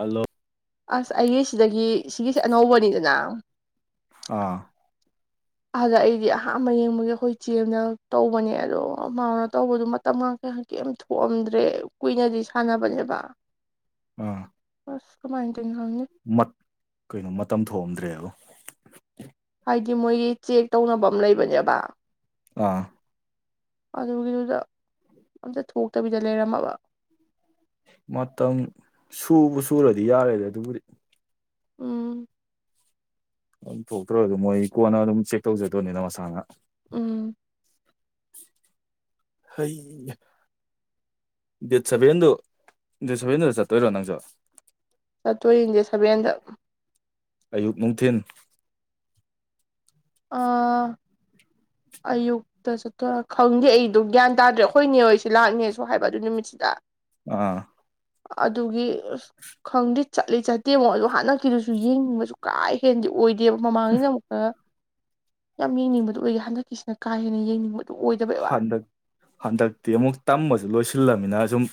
ꯑꯂꯣ ꯑꯁ ꯑꯩꯒꯤꯁꯤꯗꯒꯤ ꯁꯤꯒꯤꯁꯦ ꯑꯅꯧꯕꯅꯤꯗꯅ ꯑꯥ ꯑꯗ ꯑꯩꯗꯤ ꯑꯍꯥꯟꯕ ꯌꯦꯡꯕꯒꯤ ꯑꯩꯈꯣꯏ ꯆꯦꯜꯗ ꯇꯧꯕꯅꯦ ꯑꯗꯣ ꯃꯥꯅ ꯇꯧꯕꯗꯣ ꯃꯇꯝ ꯉꯇ ꯀ ꯌꯥꯝ ꯊꯣꯛꯑꯝꯗ꯭ꯔꯦ ꯀꯨꯏꯅꯗꯤ ꯁꯥꯟꯅꯕꯅꯦꯕ ꯑꯥ ꯑꯁ ꯀꯃꯥꯏꯅ ꯇꯧꯅꯣ ꯈꯪꯗꯦ ꯀꯩꯅꯣ ꯃꯇꯝ ꯊꯣꯝꯗ꯭ꯔꯦꯕ ꯍꯥꯏꯗꯤ ꯃꯣꯏꯒꯤ ꯆꯦꯛ ꯇꯧꯅꯕ ꯑꯃ ꯂꯩꯕꯅꯦꯕ ꯑꯥ ꯑꯗꯨꯒꯤꯗꯨꯗ ꯑꯝꯇ ꯊꯣꯛꯇꯕꯤꯗ ꯂꯩꯔꯝꯃꯕ ꯃꯇꯝ ꯁꯨꯕ ꯁꯨꯔꯗꯤ ꯌꯥꯔꯦꯗꯤ ꯑꯗꯨꯕꯨꯗꯤ ꯎꯝ ꯑꯗꯨꯝ ꯊꯣꯛꯇ꯭ꯔ ꯑꯗꯨ ꯃꯣꯏ ꯀꯣꯟꯅ ꯑꯗꯨꯝ ꯆꯦꯛ ꯇꯧꯖꯗꯣꯏꯅꯤꯅ ꯃꯁꯥꯅ ꯎꯝ ꯍ ꯗꯦꯠ ꯁꯚꯦꯟꯗꯨ ꯗꯦꯠ ꯁꯚꯦꯟꯗꯨꯗ ꯆꯠꯇꯣꯏꯔꯣ ꯅꯪꯁꯨ ꯁꯠꯇꯣ ꯏꯟꯦ ꯁꯕꯦꯗ ꯑꯌꯨꯛ ꯅꯨꯡꯊꯤꯟ ꯑꯥ ꯑꯌꯨꯛꯇ ꯆꯠꯠꯇ ꯈꯪꯗꯦ ꯑꯩꯗꯣ ꯒ꯭ꯌꯥꯟ ꯇꯥꯗ꯭ꯔꯦ ꯑꯩꯈꯣꯏꯅꯦꯣꯏꯁꯦ ꯂꯥꯛꯅꯦꯁꯨ ꯍꯥꯏꯕ ꯑꯗꯨ ꯅꯨꯃꯤꯠꯁꯤꯗ ꯑꯥ ꯑꯗꯨꯒꯤ ꯑꯁ ꯈꯪꯗꯤꯦ ꯆꯠꯂꯤ ꯆꯠꯇꯦꯃꯣ ꯑꯗꯣ ꯍꯟꯗꯛꯀꯤꯗꯨꯁꯨ ꯌꯦꯡꯅꯤꯡꯕꯁꯨ ꯀꯥ ꯍꯦꯟꯗꯤ ꯑꯣꯏꯗꯦ ꯗꯦꯕ ꯃꯃꯥꯡꯉꯩꯩꯅ ꯑꯃꯨꯛꯇ ꯌꯥꯝ ꯌꯦꯡꯅꯤꯡꯕꯗꯣ ꯑꯣꯏꯒꯦ ꯍꯟꯗꯛꯀꯤꯁꯤꯅ ꯀꯥ ꯍꯦꯟꯅ ꯌꯦꯡꯅꯤꯡꯕ ꯑꯣꯏ ꯍꯟꯗꯛ ꯍꯟꯗꯛꯇꯤ ꯑꯃꯨꯛ ꯇꯝꯕꯁꯨ ꯂꯣꯏꯁꯤꯜꯂꯝꯅꯤ ꯅ ꯁꯨꯝ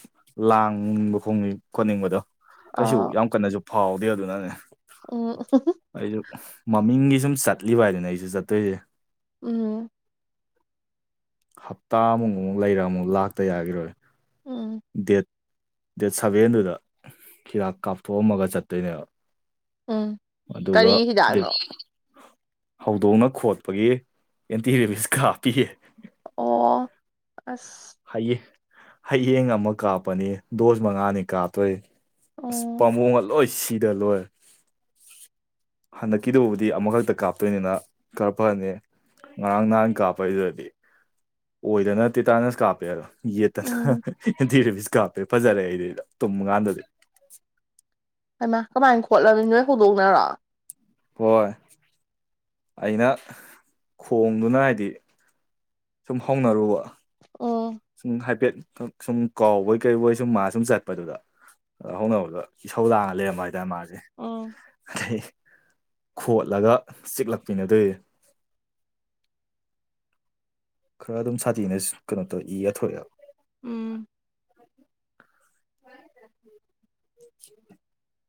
ꯂꯥꯡꯅꯤꯡꯕ ꯐꯣꯡꯅꯤꯡ ꯈꯣꯠꯅꯤꯡꯕꯗꯣ ꯀꯩꯁꯨ ꯑ ꯌꯥꯝ ꯀꯟꯅꯁꯨ ꯐꯥꯎꯗꯦ ꯑꯗꯨꯅꯅꯦ ꯎꯝ ꯑꯩꯁꯨ ꯃꯃꯤꯡꯒꯤ ꯁꯨꯝ ꯆꯠꯂꯤꯕ ꯍꯥꯏꯗꯅ ꯑꯩꯁꯨ ꯆꯠꯇꯣꯏꯁꯦ ꯎꯝ ꯍꯞꯇꯥ ꯑꯃꯨꯛ ꯑꯃꯨꯛ ꯂꯩꯔ ꯑꯃꯨꯛ ꯂꯥꯛꯇ ꯌꯥꯈꯤꯔꯣꯏ ꯎꯝ ꯗꯦꯠ ꯗꯦꯠ ꯁꯚꯦꯟꯗꯨꯗ ꯍꯤꯗꯥꯛ ꯀꯥꯞꯊꯣꯛꯑꯝꯃꯒ ꯆꯠꯇꯣꯏꯅꯦꯕ ꯎꯝ ꯀꯔꯤ ꯑꯗꯨꯒ ꯍꯤꯗꯥꯛꯅꯣ ꯍꯧꯗꯣꯡꯅ ꯈꯣꯠꯄꯒꯤ ꯑꯦꯟꯇꯤ ꯔꯦꯕꯤꯁ ꯀꯥ ꯄꯤꯌꯦ ꯑꯣ ꯑꯁ ꯍꯌꯦꯡ ꯍꯌꯦꯡ ꯑꯃ ꯀꯥꯞꯄꯅꯤ ꯗꯣꯁ ꯃꯉꯥꯅꯤ ꯀꯥꯞꯇꯣꯏ ꯑꯁ ꯑꯣ ꯄꯥꯝꯕꯨꯡꯒ ꯂꯣꯏ ꯁꯤꯗ ꯂꯣꯏ ꯍꯟꯗꯛꯀꯤꯗꯨꯕꯨꯗꯤ ꯑꯃꯈꯛꯇ ꯀꯥꯞꯇꯣꯏꯅꯤꯅ ꯈꯔ ꯐꯅꯤ ꯉꯔꯥꯡ ꯅꯍꯥꯟ ꯀꯥꯞꯄꯩꯗꯨꯗꯤ ꯑꯣꯏꯗꯅ ꯇꯦꯇꯥꯅꯁꯨ ꯀꯥꯞꯄꯦ ꯑꯗꯣ ꯎꯝ ꯌꯦꯠꯇꯅꯊꯤ ꯀꯥꯞꯄꯦ ꯐꯖꯔꯦ ꯑꯩꯗꯨꯗ ꯇꯨꯝꯃ ꯀꯥꯟꯗꯗꯤ ꯍꯃ ꯀꯃꯥꯏꯅ ꯈꯣꯠꯂꯅꯤ ꯅꯣꯏ ꯍꯧꯗꯣꯛꯅꯔꯣ ꯍꯣꯏ ꯑꯩꯅ ꯈꯣꯡꯗꯨꯅ ꯍꯥꯏꯗꯤ ꯁꯨꯝ ꯍꯧꯅꯔꯨꯕ ꯎꯝ ꯈ ꯁꯨꯝ ꯀꯥꯎꯕꯣꯏ ꯀꯩꯔꯤꯕꯣꯏ ꯁꯨꯝ ꯃꯥ ꯁꯨꯝ ꯆꯠꯄꯗꯨꯗ ꯑ ꯍꯧꯅꯕꯗ ꯏꯁꯧ ꯂꯥꯡꯉ ꯂꯩꯔꯝꯕ ꯍꯥꯏꯇꯥꯔꯦ ꯃꯥꯁꯦ ꯎꯝ ꯑꯗꯩ ꯈꯣꯠꯂꯒ ꯆꯤꯛꯂꯛꯃꯤꯅꯗꯦ ꯈꯔ ꯑꯗꯨꯝ ꯁꯥꯊꯤꯅ ꯀꯩꯅꯣ ꯇꯧꯔꯛꯏ ꯌꯥꯊꯣꯛꯑꯦꯕ ꯎꯝ [unintelligible]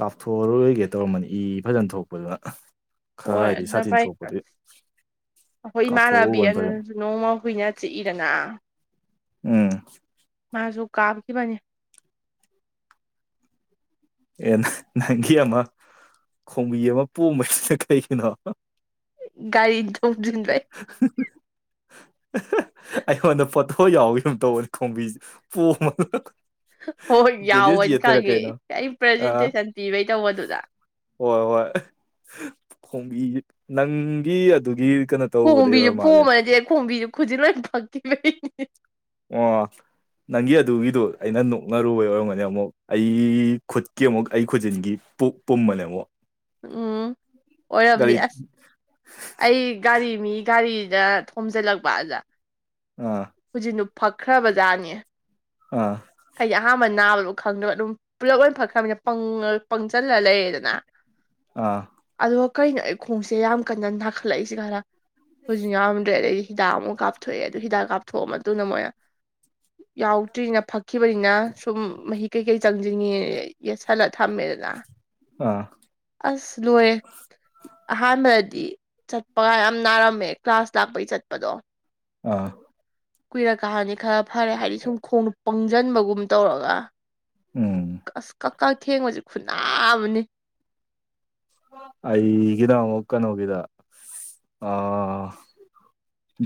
ꯀꯥꯞꯊꯣꯛꯔꯣꯏꯒꯦ ꯇꯧꯔꯝꯕꯅꯤ ꯏ ꯐꯖꯅ ꯊꯣꯛꯄꯗꯨꯅ ꯈꯔ ꯍꯣꯏ ꯍꯥꯏꯗꯤ ꯑꯗꯨꯅ ꯁꯥꯇꯤꯟ ꯄꯥꯏ ꯁꯣꯛꯄꯗꯨ ꯑꯩꯈꯣꯏ ꯏꯃꯥꯟꯅꯕꯤ ꯀꯥꯞꯊꯣꯛꯎꯕꯅ ꯐꯖꯅ ꯑꯗꯨꯅꯁꯨ ꯅꯣꯡꯃ ꯀꯨꯏꯅ ꯆꯤꯛꯏꯗꯅ ꯎꯝ ꯃꯥꯁꯨ ꯀꯥꯕꯀꯤ ꯃꯥꯅꯤ ꯑꯦ ꯅꯪꯒꯤ ꯑꯃ ꯈꯣꯡꯕꯤ ꯑꯃ ꯄꯣꯝꯕꯩꯕꯁꯤꯅ ꯀꯩꯒꯤꯅꯣ ꯒꯥꯔꯤ ꯆꯝꯖ ꯂꯩꯥꯏ ꯑꯩꯉꯣꯟꯗ ꯄꯣꯇꯣ ꯌꯥꯎꯕ ꯑꯃ ꯇꯧꯕꯅꯤ ꯈꯣꯝꯕꯤꯁꯦ ꯄꯣꯝ ꯍꯣꯏ ꯌꯥꯎꯕꯅꯤ ꯕꯤꯅꯤꯔꯁꯤ ꯇꯔ ꯈꯪꯉꯦ ꯀꯩꯅ ꯑꯩ ꯑ ꯄ꯭ꯔꯖꯦꯟꯇꯦꯁꯟ ꯄꯤꯕꯩ ꯇꯧꯕꯗꯨꯗ ꯍꯣꯏ ꯍꯣꯏ ꯈꯣꯡꯕꯤ ꯅꯪꯒꯤ ꯑꯗꯨꯒꯤ ꯀꯩꯅꯣ ꯇꯧꯕꯗꯩ ꯀꯣꯝꯕꯤꯁꯨ ꯑꯣꯏꯔ ꯃꯥꯜꯂꯦ ꯄꯣꯝꯕꯅꯗꯤ ꯑꯩ ꯀꯣꯝꯕꯤꯁꯨ ꯈꯨꯖꯤ ꯂꯣꯏ ꯐꯛꯈꯤꯕꯩ ꯑ ꯅꯪꯒꯤ ꯑꯗꯨꯒꯤꯗꯣ ꯑꯩꯅ ꯅꯣꯛꯅꯔꯨꯕ ꯑꯣꯏꯔꯝꯒꯅꯤ ꯑꯃꯨꯛ ꯑꯩ ꯈꯨꯠꯀꯤ ꯑꯃꯨꯛ ꯑꯩ ꯈꯨꯖꯤꯟꯒꯤ ꯄꯨꯝꯕꯅꯦꯕꯣ ꯎꯝ ꯑꯣꯏꯔꯕꯅꯤ ꯑꯁ ꯑꯩ ꯒꯥꯔꯤ ꯃꯤ ꯒꯥꯔꯤ ꯑꯗ ꯊꯣꯝꯖꯤꯜꯂꯛꯄ ꯑꯗ ꯎ ꯍꯧꯖꯤꯛꯅ ꯐꯛꯈ꯭ꯔꯕꯖꯥꯠꯅꯦ ꯑꯥ ꯑꯩꯗꯤ ꯑꯍꯥꯟꯕ ꯅꯥꯕꯗꯣ ꯈꯪꯗꯕ ꯑꯗꯨꯝ ꯄꯨꯂꯞ ꯂ ꯐꯛꯈ꯭ꯔꯕꯅꯤꯅ ꯄꯪꯁꯤꯜꯂ ꯂꯩꯌꯦꯦꯗꯅ ꯑꯥ ꯀꯩꯅꯣ ꯑꯩ ꯈꯣꯡꯁꯦ ꯌꯥꯝ ꯀꯟꯅ ꯅꯥꯈꯠꯂꯛꯏꯁꯤ ꯈꯔ ꯍꯧꯖꯤꯛ ꯌꯥꯝꯔꯝꯗ꯭ꯔꯦꯗꯗꯒꯤ ꯍꯤꯗꯥꯛ ꯑꯃꯨꯛ ꯀꯥꯞꯊꯣꯛꯑꯦ ꯑꯗꯨ ꯍꯤꯗꯥꯛ ꯀꯥꯞꯊꯣꯛꯑ ꯃꯇꯨꯡꯗ ꯃꯣꯏꯅ ꯌꯥꯎꯗ꯭ꯔꯤꯅ ꯑꯩꯕꯅꯤꯅ ꯁꯨꯝ ꯃꯍꯤ ꯀꯩꯀꯩ ꯆꯪꯁꯤꯟꯉꯦ ꯌꯦ ꯍꯜꯂ ꯊꯝꯃꯦꯗꯅ ꯑꯥ ꯑꯁ ꯂꯑꯦ ꯑꯍꯥꯟꯕꯗꯗꯤ ꯆꯠꯄꯒ ꯌꯥꯝ ꯅꯥꯔꯝꯃꯦ ꯀ꯭ꯂꯥꯁ ꯂꯥꯛꯄꯒꯤ ꯆꯠꯄꯗꯣ ꯑꯥ ꯀꯨꯏꯔꯛ ꯀꯥ ꯍꯥꯏꯅꯤ ꯈꯔ ꯐꯔꯦ ꯍꯥꯏꯗꯤ ꯁꯨꯝ ꯈꯣꯡ ꯄꯪꯁꯤꯟꯕꯒꯨꯝ ꯇꯧꯔꯒ ꯎꯝ ꯀꯛꯊꯦꯡꯕꯁꯤ ꯈꯨꯟꯅꯥ ꯑꯃꯅꯤ ꯑꯩꯒꯤꯗ ꯑꯃꯨꯛ ꯀꯩꯅꯣꯒꯤꯗ ꯑ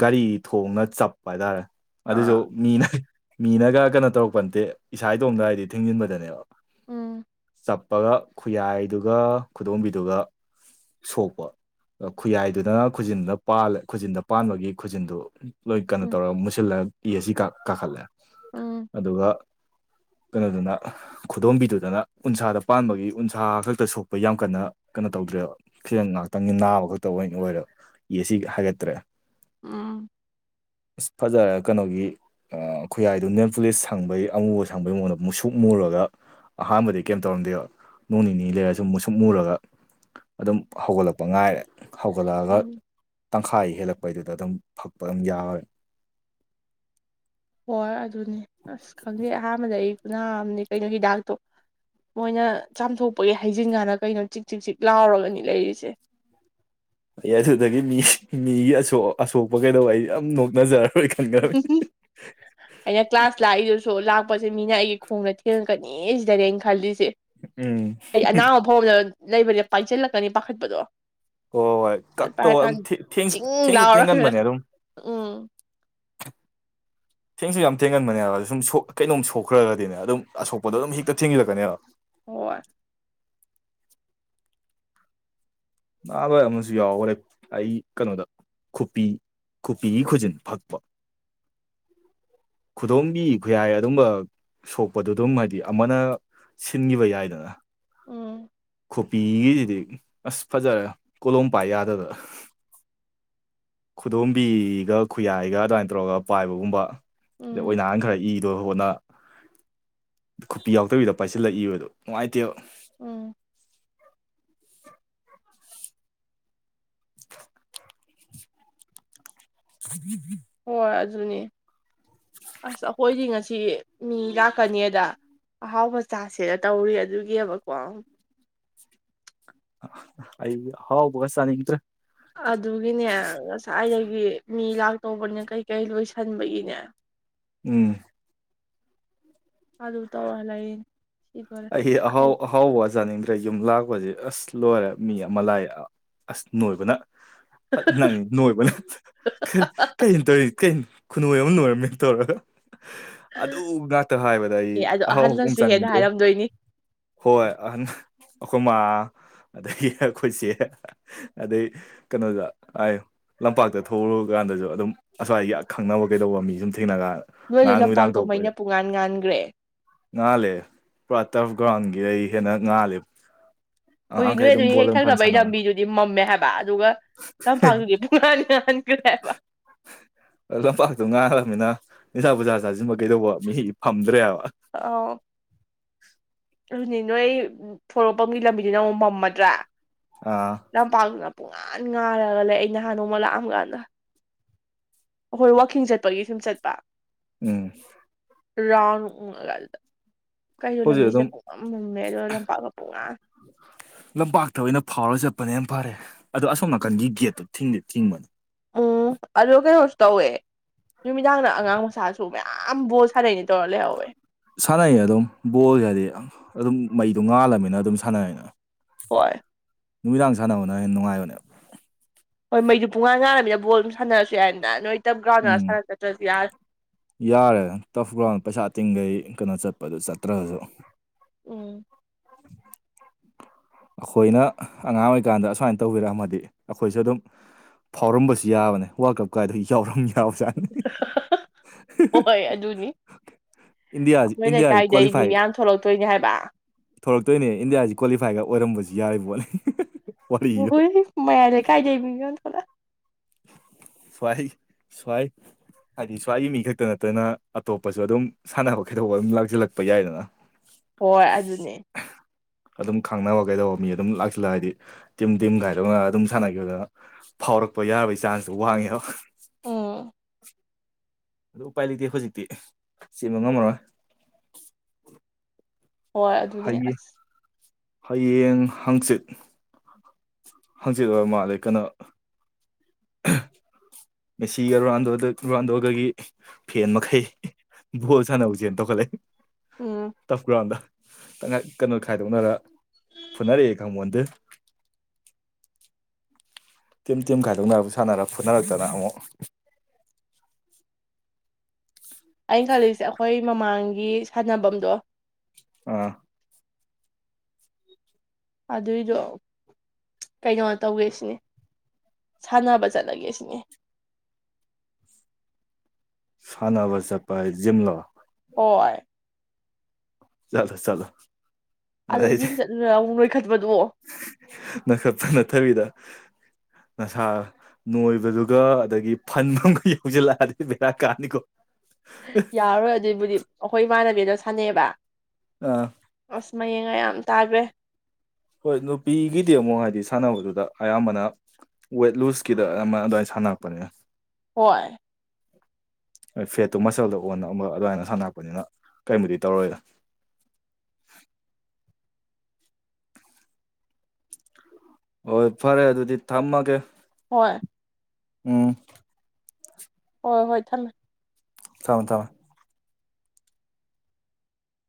ꯒꯥꯔꯤ ꯊꯣꯡꯅ ꯆꯞꯄ ꯍꯥꯏꯇꯥꯔꯦ ꯑꯗꯨꯁꯨ ꯑꯥ ꯃꯤꯅ ꯃꯤꯅꯒ ꯀꯩꯅꯣ ꯇꯧꯔꯛꯄ ꯅꯠꯇꯦ ꯏꯁꯥ ꯏꯇꯣꯝꯗ ꯍꯥꯏꯗꯤ ꯊꯤꯡꯖꯤꯟꯕꯗꯅꯦꯕ ꯎꯝ ꯆꯞꯄꯒ ꯈꯨꯌꯥꯏꯗꯨꯒ ꯈꯨꯗꯣꯝꯕꯤꯗꯨꯒ ꯁꯣꯛꯄ ꯈꯨꯌꯥꯏꯗꯨꯗꯅ ꯈꯨꯖꯤꯟꯗꯨꯅꯥꯜꯂ ꯈꯨꯖꯤꯟꯗ ꯄꯥꯟꯕꯒꯤ ꯈꯨꯖꯤꯟꯗꯨ ꯂꯣꯏ ꯀꯩꯅꯣ ꯎꯝ ꯇꯧꯔꯒ ꯃꯨꯁꯤꯜꯂꯒ ꯄꯤ ꯑꯁꯤ ꯀꯥꯈꯠꯂꯦ ꯎꯝ ꯑꯗꯨꯒ ꯀꯩꯅꯣꯗꯨꯅ ꯈꯨꯗꯣꯝꯕꯤꯗꯨꯗꯅ ꯎꯟꯁꯥꯗ ꯄꯥꯟꯕꯒꯤ ꯎꯟꯁꯥ ꯈꯛꯇ ꯁꯣꯛ ꯑꯩꯈꯣꯏ ꯌꯥꯝ ꯀꯟꯅ ꯀꯩꯅꯣ ꯇꯧꯗ꯭ꯔꯦꯕ ꯐꯈꯤꯖ ꯉꯥꯏꯍꯥꯛꯇꯪꯒꯤ ꯅꯥꯕ ꯈꯛꯇ ꯑꯣꯏꯅ ꯑꯣꯏꯔꯦ ꯌꯦ ꯁꯤ ꯍꯥꯏꯒꯠꯇ꯭ꯔꯦ ꯑꯥ ꯏꯁ ꯐꯖꯔꯦ ꯀꯩꯅꯣꯒꯤ ꯈꯨꯌꯥꯏꯗꯨ ꯅꯜ ꯄꯨꯂꯤꯁ ꯁꯪꯕꯩ ꯑꯃꯨꯕ ꯁꯪꯕꯩ ꯃꯉꯣꯟꯗ ꯃꯨꯛꯁꯨꯛ ꯃꯨꯔꯒ ꯑꯍꯥꯟꯕꯗꯤ ꯀꯩꯝ ꯇꯧꯔꯝꯗꯦꯕ ꯅꯣꯡ ꯅꯤꯅꯤ ꯂꯩꯔꯁꯤ ꯁꯨꯝ ꯃꯨ ꯁꯨꯝ ꯃꯨꯔꯒ ꯑꯗꯨꯝ ꯍꯧꯒꯠꯂꯛꯄ ꯉꯥꯏꯔꯦ ꯍꯧꯒꯠꯂꯛꯑꯒ ꯎꯝ ꯇꯪꯈꯥꯏ ꯍꯦꯜꯂꯛꯄꯩꯗꯨꯗ ꯑꯗꯨꯝ ꯐꯛꯄ ꯑꯗꯨꯝ ꯌꯥꯔꯣꯏ ꯍꯣꯏ ꯑꯗꯨꯅꯦ ꯑꯁ ꯈꯪꯗꯩ ꯑꯍꯥꯟꯕꯗ ꯑꯩ ꯀꯅꯥꯝꯅꯦ ꯀꯩꯅꯣ ꯍꯤꯗꯥꯛꯇꯣ ꯃꯣꯏꯅ ꯆꯥꯝꯊꯣꯛꯄꯒꯤ ꯍꯩꯖꯤꯟ ꯀꯥꯟꯅ ꯀꯩꯅꯣ ꯆꯤꯛ ꯆꯤꯛ ꯆꯤꯛ ꯂꯥꯎꯔꯒꯅꯤ ꯂꯩꯔꯤꯁꯦ ꯑꯩ ꯑꯗꯨꯗꯒꯤ ꯃꯤ ꯃꯤꯒꯤ ꯑꯁꯣꯛꯄ ꯀꯩꯗꯧꯕ ꯑꯩ ꯌꯥꯝ ꯅꯣꯛꯅꯖꯔꯦ ꯎ ꯑꯩꯅ ꯀ꯭ꯂꯥꯁ ꯂꯥꯛꯏꯗꯨꯁꯨ ꯂꯥꯛ ꯑ ꯄꯠꯁꯦ ꯃꯤꯅ ꯑꯩꯒꯤ ꯈꯣꯡꯗ ꯊꯦꯡꯉꯛꯀꯅꯤ ꯁꯤꯗꯅꯦ ꯑꯩꯅ ꯈꯜꯂꯤꯁꯦ ꯎꯝ ꯍꯥꯏꯗꯤ ꯑꯅꯥꯕ ꯐꯥꯎꯗ ꯂꯩꯕꯅꯦ ꯄꯥꯏꯁꯤꯜꯂꯛꯀꯅꯤ ꯄꯥꯈꯠꯄꯗꯣ ꯍꯣꯏ ꯍꯣꯏ ꯄꯥꯏꯔ ꯀꯛꯇꯧ ꯑꯗꯨꯝ ꯀꯥꯟꯗ ꯆꯤꯡ ꯊꯦꯡꯁꯨ ꯂꯥꯎꯔꯒ ꯊꯦꯡꯒꯟꯕꯅꯦ ꯑꯗꯨꯝ ꯎꯝ [unintelligible] ꯊꯦꯡꯁꯨ ꯌꯥꯝ ꯊꯦꯡꯒꯟꯕꯅꯦꯕ ꯁꯨꯝ ꯀꯩꯅꯣꯝ ꯁꯣꯛꯈ꯭ꯔꯒꯗꯤꯅꯦ ꯑꯗꯨꯝ ꯑꯁꯣꯛꯄꯗꯣ ꯑꯗꯨꯝ ꯍꯦꯛꯇ ꯊꯦꯡꯖꯤꯜꯂꯛꯀꯅꯦꯕ ꯍꯣꯏ ꯅꯥꯕ ꯑꯃꯁꯨ ꯌꯥꯎꯈꯔꯦ ꯑꯩ ꯀꯩꯅꯣꯗ ꯈꯨꯄꯤ ꯈꯨꯄꯤꯒꯤ ꯈꯨꯖꯤꯟ ꯐꯛꯄ ꯈꯨꯗꯣꯝꯕꯤ ꯈꯨꯌꯥꯏ ꯑꯗꯨꯝꯕ ꯁꯣꯛꯄꯗꯨ ꯑꯗꯨꯝ ꯍꯥꯏꯗꯤ ꯑꯃꯅ ꯁꯤꯟꯈꯤꯕ ꯌꯥꯏꯗꯅ ꯎꯝ ꯈꯣꯕꯤꯒꯤꯁꯤꯗꯤ ꯑꯁ ꯐꯖꯔꯦ ꯀꯣꯂꯣꯝ ꯄꯥꯏ ꯌꯥꯗꯗ ꯈꯨꯗꯣꯝꯕꯤꯒ ꯈꯨꯌꯥꯏꯒ ꯑꯗꯨꯃꯥꯏꯅ ꯇꯧꯔꯒ ꯄꯥꯏꯕꯒꯨꯝꯕ ꯑꯗꯩ ꯑꯣꯏ ꯎꯝ ꯅꯍꯥꯟ ꯈꯔ ꯏ ꯑꯗꯣ ꯍꯣꯠꯅ ꯈꯨꯄꯤ ꯌꯥꯎꯗꯕꯤꯗ ꯄꯥꯏꯁꯤꯜꯂꯛꯏꯕ ꯑꯗꯣ ꯅꯨꯡꯉꯥꯏꯇꯦꯕ ꯎꯝ [unintelligible] [unintelligible] ꯍ ꯑꯖꯅꯤ ꯑꯁ ꯑꯩꯈꯣꯏꯗꯤ ꯉꯁꯤ ꯃꯤ ꯂꯥꯛꯀꯅꯤꯗ ꯑꯍꯥꯎꯕ ꯆꯁꯤꯦꯅ ꯇꯧꯔꯤ ꯑꯗꯨꯒꯤꯕꯀꯣ ꯑꯩ ꯍꯥꯎꯕꯒ ꯆꯅꯤꯗ꯭ꯔ ꯑꯗꯨꯒꯤꯅꯦ ꯉꯁꯥꯏꯗꯒꯤ ꯃꯤ ꯂꯥꯛꯇꯧꯕꯅꯦ ꯀꯩꯀꯩ ꯂꯣꯏꯁꯟꯕꯒꯤꯅꯦ ꯎꯝ ꯑꯗꯨ ꯇꯧꯔ ꯂꯩꯅꯦ ꯍꯥꯎ ꯍꯥꯎ ꯋꯥꯖꯅꯤꯡꯒ ꯑꯗꯩ ꯌꯨꯝ ꯂꯥꯛꯄꯁ ꯑꯁ ꯂꯣꯏꯔꯦ ꯃꯤ ꯑꯃ ꯂꯥꯏ ꯑꯁ ꯅꯣꯏꯕꯅ ꯅ ꯅꯣꯏꯕꯅꯦ ꯀ ꯀꯩꯅ ꯇꯧꯔꯤ ꯀ ꯈꯨꯅꯣꯏ ꯑꯃ ꯂꯣꯏꯔꯝꯃꯦꯅ ꯇꯧꯔꯒ ꯑꯗꯨ ꯉꯥꯛꯇ ꯍꯥꯏꯕꯗ ꯑꯩ ꯑꯦ ꯑꯗꯣ ꯑꯍꯥꯎꯕꯣꯡ ꯑꯍꯟꯅꯁꯨ ꯍꯦꯟꯅ ꯆꯥꯅꯤꯡꯗ꯭ꯔꯦ ꯍꯥꯏꯔꯝꯗꯣꯏꯅꯤ ꯍꯣꯏ ꯑꯩꯈꯣꯏ ꯃꯥ ꯑꯗꯩ ꯑꯩꯈꯣꯏꯁꯦ ꯑꯗꯩ ꯀꯩꯅꯣꯗ ꯂꯝꯄꯥꯛꯇ ꯊꯣꯛꯂꯨꯔꯒ ꯀꯥꯟꯗꯁꯨ ꯑꯗꯨꯝ ꯑꯁ꯭ꯋꯥꯏꯒꯤ ꯑ ꯈꯪꯅꯕ ꯀꯩꯗꯧꯕ ꯃꯤ ꯁꯨꯝ ꯊꯦꯡꯅ ꯀꯥꯟꯗ ꯅꯣꯏꯗꯨ ꯉꯔꯥꯡ ꯅꯨꯃꯤꯗꯥꯡ ꯂꯝꯄꯥꯛꯇꯣ ꯊꯣꯛꯄꯩ ꯃꯩꯅ ꯄꯨꯡꯉꯥꯟ ꯉꯥꯟꯈ꯭ꯔꯦ ꯉꯥꯜꯂꯦ ꯄꯨꯥ ꯇꯔꯐ ꯒ꯭ꯔꯥꯎꯟꯒꯤ ꯑꯩ ꯍꯦꯟꯅ ꯉꯥꯜꯂꯤꯦꯕ ꯍꯣꯏ ꯅꯣꯏ ꯑꯗꯨ ꯍꯦꯛ ꯊꯛꯅꯕꯒꯤ ꯂꯝꯕꯤꯗꯨꯗꯤ ꯃꯝꯃꯦ ꯍꯥꯏꯕ ꯑꯗꯨꯒ ꯂꯝꯄꯥꯛꯇꯗꯤ ꯄꯨꯅꯤ ꯂꯝꯄꯥꯛꯇꯣ ꯉꯥꯡꯈꯔꯕꯅꯤꯅ ꯏꯟꯁꯥ ꯄꯨꯖꯥ ꯆꯥꯁꯤꯕ ꯀꯩꯗꯧꯕ ꯃꯤ ꯐꯝꯗ꯭ꯔꯦꯕ ꯑ ꯑꯗꯨꯅꯤ ꯅꯣꯏ ꯐꯣꯔꯣꯛꯄꯝꯒꯤ ꯂꯝꯕꯤꯗꯨ ꯅ ꯑꯃꯨꯛ ꯃꯝꯃꯗ꯭ꯔꯥ ꯑꯥ ꯂꯝꯄꯥꯛꯇꯨꯅ ꯄꯨꯡꯉꯥꯟ ꯉꯥꯏꯔꯒ ꯂꯩ ꯑꯩ ꯅꯍꯥꯟ ꯅꯣꯡꯃ ꯂꯥꯛꯑꯝ ꯀꯥꯟꯗ ꯍꯈꯣꯏ ꯋꯥꯛꯀꯤꯡ ꯆꯠꯄꯒꯤ ꯁꯨꯝ ꯆꯠꯄ ꯎꯝ ꯔꯥꯎꯟ ꯎꯉꯒ ꯑꯗꯨꯗ ꯀꯩꯗꯣ ꯍꯧꯖꯤꯛ ꯂꯝꯕꯤꯁꯦ ꯑꯗꯨꯝ ꯄꯨꯡꯉꯝꯃꯝꯃꯦ ꯑꯗ ꯂꯝꯄꯥꯛꯀ ꯄꯨꯡꯉ ꯂꯝꯄꯥꯛꯇ ꯑꯣꯏꯅ ꯐꯥꯎꯔ ꯆꯠꯄꯅꯦꯅ ꯐꯔꯦ ꯑꯗꯣ ꯑꯁꯣꯝ ꯅꯥꯀꯟꯒꯤ ꯒꯦꯠꯇꯣ ꯊꯤꯡꯗꯦ ꯊꯤꯡꯕꯅꯦ ꯎꯝ ꯑꯗꯣ ꯀꯩꯅꯣꯁꯨ ꯇꯧꯋꯦ ꯅꯨꯃꯤꯗꯥꯡꯗ ꯑꯉꯥꯡ ꯃꯆꯥꯥꯁꯨ ꯃꯌꯥꯝ ꯕꯣ ꯁꯥꯥꯟꯅꯛꯏꯅꯤ ꯁꯥꯟꯅꯩꯌꯦ ꯑꯗꯨꯝ ꯕꯣꯜꯁ ꯍꯥꯏꯗꯤ ꯑꯗꯨꯝ ꯃꯩꯗꯣ ꯉꯥꯜꯂꯃꯤꯅ ꯑꯗꯨꯝ ꯁꯥꯟꯅꯩꯅ ꯋꯥꯏ ꯅꯨꯃꯤꯗꯥꯡ ꯁꯥꯟꯅꯕꯅ ꯍꯦꯟꯅ ꯅꯨꯡꯉꯥꯏꯕꯅꯦꯕ ꯍꯣꯏ ꯃꯩꯗꯨ ꯄꯨꯡꯉꯥꯟ ꯉꯥꯡꯔꯕꯃꯤꯅ ꯕꯣꯜ ꯑꯗꯨꯝ ꯁꯥꯟꯅꯔꯁꯨ ꯌꯥꯔꯅꯗ ꯅꯣꯏ ꯇꯞ ꯒ꯭ꯔꯥꯎꯟꯗ ꯎꯝ ꯁꯥꯟꯅ ꯆꯠꯇ꯭ꯔꯁꯨ ꯌꯥꯔꯦ ꯌꯥꯔꯦ ꯇꯐꯒ꯭ꯔꯥꯎꯟ ꯄꯩꯁꯥ ꯑ ꯇꯤꯡꯈꯩ ꯀꯩꯅꯣ ꯆꯠꯄꯗꯨ ꯆꯠꯇ꯭ꯔꯁꯨ ꯎꯝ [unintelligible] ꯑꯩꯈꯣꯏꯅ ꯑꯉꯥꯡ ꯑꯣꯏꯔꯤꯀꯥꯟꯗ ꯑꯁꯨꯃꯥꯏꯅ ꯇꯧꯕꯤꯔꯛꯑꯃꯗꯤ ꯑꯩꯈꯣꯏꯁꯨ ꯑꯗꯨꯝ ꯐꯥꯎꯔꯝꯕꯁꯨ ꯌꯥꯕꯅꯦ ꯋꯥꯔꯜ ꯀꯞ ꯀꯥꯏꯗꯣ ꯌꯥꯎꯔꯝꯃꯤ ꯊꯥꯎꯁꯅꯤ ꯍꯣꯏ ꯑꯗꯨꯅꯤ ꯏꯟꯗꯤꯌꯥ ꯑꯩꯈꯣꯏ ꯏꯟꯗꯤꯌꯥ ꯂꯩꯀꯥꯏꯗꯩ ꯃꯤ ꯀ꯭ꯋꯥꯂꯤꯐꯥꯏ ꯃꯌꯥꯝ ꯊꯣꯛꯂꯛꯇꯣꯏꯅꯦ ꯍꯥꯏꯕ ꯊꯣꯔꯛꯇꯣꯏꯅꯦ ꯏꯟꯗꯤꯌꯥꯁꯤ ꯀ꯭ꯋꯥꯂꯤꯐꯥꯏꯒ ꯑꯣꯏꯔꯝꯕꯁꯨ ꯌꯥꯔꯤꯕꯣꯠꯅꯤ ꯋꯥꯔꯤꯗꯣ ꯍꯣꯏ ꯃꯂꯦ ꯀꯥꯏꯗꯤꯏ ꯃꯤ ꯌ ꯊꯂ ꯁꯋꯥꯏ ꯁꯋꯥꯥꯏ ꯍꯥꯏꯗꯤ ꯁ꯭ꯋꯥꯏꯒꯤ ꯃꯤ ꯈꯛꯇ ꯅꯠꯇꯅ ꯑꯇꯣꯞꯄꯁꯨ ꯑꯗꯨꯝ ꯁꯥꯟꯅꯕ ꯈꯩꯗꯣꯛ ꯑꯗꯨꯝ ꯂꯥꯛꯁꯤꯜꯂꯛꯄ ꯌꯥꯏꯗꯅ ꯍꯣꯏ ꯑꯗꯨꯅꯦ ꯑꯗꯨꯝ ꯈꯪꯅꯕ ꯀꯩꯗꯧꯕ ꯃꯤ ꯑꯗꯨꯝ ꯂꯥꯛꯁꯤꯜꯂ ꯍꯥꯏꯗꯤ ꯇꯤꯝ ꯇꯤꯝꯒꯥꯏꯗꯧ ꯉ ꯑꯗꯨꯝ ꯁꯥꯟꯅꯈꯤꯕꯗꯅ ꯐꯥꯎꯔꯛ ꯄ ꯌꯥꯕꯒꯤ ꯆꯥꯟꯁꯁꯨ ꯋꯥꯡꯉꯦ ꯑ ꯑꯗꯨ ꯎꯄꯥꯏ ꯂꯩꯇꯦ ꯍꯧꯖꯤꯛꯇꯤ ꯆꯦꯟꯕ ꯉꯝꯃꯔꯣꯏ ꯍꯣꯏ ꯑꯗꯨꯅꯤ ꯍꯌꯦꯡ ꯑꯁ ꯍꯌꯦꯡ ꯍꯥꯡꯆꯤꯠ ꯍꯥꯡꯆꯤꯠ ꯑꯣꯏꯕ ꯃꯥꯜꯂꯦ ꯀꯩꯅꯣ ꯃꯦꯁꯤꯒ ꯔꯨꯔꯥꯟꯗꯣꯗ ꯔꯨꯔꯥꯟꯗꯣꯒꯒꯤ ꯐꯦꯟ ꯃꯈꯩ ꯚꯣꯜ ꯁꯥꯟꯅꯕꯅꯕꯁꯦꯅ ꯇꯣꯛꯈꯠꯂ ꯎꯝ ꯇꯞ ꯀ꯭ꯔꯥꯎꯗ ꯀꯩꯅꯣ ꯈꯥꯏꯗꯣꯛꯅꯔ ꯐꯨꯅꯔꯛꯑꯦ ꯈꯪꯃꯣꯟꯗ ꯇꯤꯝ ꯇꯤꯝ ꯈꯥꯏꯗꯣꯛꯅꯔ ꯁꯥꯟꯅꯔ ꯐꯨꯠꯅꯔꯛꯇꯅ ꯑꯃꯨꯛ [unintelligible] ꯑꯩꯅ ꯈꯜꯂꯤꯁꯦ ꯑꯩꯈꯣꯏ ꯃꯃꯥꯡꯒꯤ ꯁꯥꯟꯅꯐꯝꯗꯣ ꯑꯥ ꯑꯗꯨꯏꯗꯣ ꯀꯩꯅꯣ ꯇꯧꯒꯦ ꯁꯤꯅꯦ ꯁꯥꯟꯅꯕ ꯆꯠꯂꯒꯦ ꯁꯤꯅꯦ [unintelligible] ꯁꯅꯕ ꯆꯄꯥꯏ ꯖꯤꯝꯂꯣ ꯍꯣꯏ ꯆꯂꯣ ꯆꯂꯣ ꯑꯣ ꯅ ꯈ ꯅ ꯊꯕꯤꯗꯥ ꯅꯁꯥ ꯅꯣꯏꯕꯗꯨꯒ ꯑꯗꯒꯤ ꯐꯟ ꯑꯃꯒ ꯌꯧꯁꯤꯜꯂꯛꯑꯗꯤ ꯕꯦꯔꯥ ꯀꯥꯅꯤꯀꯣ ꯌꯥꯔꯣꯏ ꯑꯗꯨꯏꯕꯨꯗꯤ ꯑꯩꯈꯣꯏ ꯏꯃꯥꯟꯅꯕꯤꯗ ꯁꯥꯟꯅꯩꯑꯕ ꯑꯥ ꯑꯁ ꯃꯌꯦꯡꯒ ꯌꯥꯝ ꯇꯥꯈ꯭ꯔꯦ ꯍꯣꯏ ꯅꯨꯄꯤꯒꯤꯗꯤ ꯑꯃꯨꯛ ꯍꯥꯏꯗꯤ ꯁꯥꯟꯅꯕꯗꯨꯗ ꯑꯌꯥꯝꯕꯅ ꯋꯦꯠ ꯂꯨꯁꯀꯤꯗ ꯑꯃ ꯑꯗꯨꯃꯥꯏꯅ ꯁꯥꯟ ꯈꯅꯄꯔꯦ ꯍꯣꯏ ꯍꯣꯏ ꯐꯦꯠꯇꯨ ꯃꯆꯜꯗ ꯑꯣꯟꯅꯝꯕ ꯑꯗꯨꯃꯥꯏꯅ ꯁꯥꯟꯅꯔꯛꯄꯅꯤꯅ ꯀꯩꯃꯗꯤ ꯇꯧꯔꯣꯏꯗ [unintelligible] ꯍꯣꯏ ꯐꯔꯦ ꯑꯗꯨꯗꯤ ꯊꯝꯃꯒꯦ ꯍꯣꯏ ꯎꯝ ꯍꯣꯏ ꯍꯣꯏ ꯊꯝꯃꯦ ꯊꯝꯃꯦ ꯊꯝꯃꯦ